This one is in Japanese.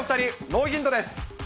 ノーヒントです。